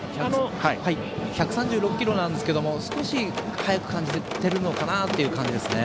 １３６キロなんですけども少し速く感じてるのかなという感じですね。